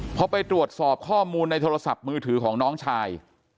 พอไปตรวจสอบข้อมูลในโทรศัพท์มือถือของน้องชาย